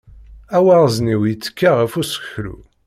Awaɣzniw yettekka ɣef useklu.